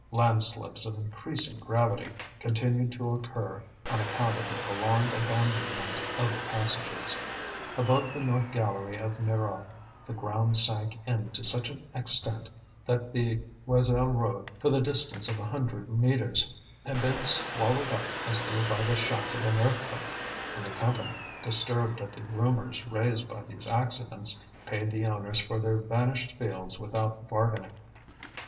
Landslips of increasing gravity continued to occur on account of the prolonged abandonment of the passages. Above the north gallery of Mirou the ground sank in to such an extent, that the Joiselle road, for the distance of a hundred metres, had been swallowed up as though by the shock of an earthquake; and the Company, disturbed at the rumours raised by these accidents, paid the owners for their vanished fields without bargaining.